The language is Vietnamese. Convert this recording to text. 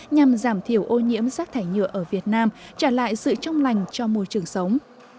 nhằm giảm thiểu ô nhiễm rác thải nhựa ở việt nam trả lại sự trong lành cho môi trường sống